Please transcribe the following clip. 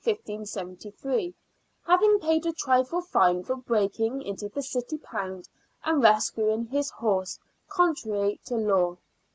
59 the civic accounts for 1573, having paid a trifling fine for breaking into the city pound and rescuing his horse, con trary to law.